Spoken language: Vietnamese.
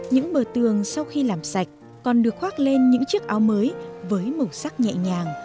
những bờ tường sau khi làm sạch còn được khoác lên những chiếc áo mới với màu sắc nhẹ nhàng